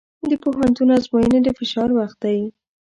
د پوهنتون ازموینې د فشار وخت دی.